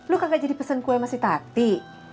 lo kagak jadi pesen kue sama si tati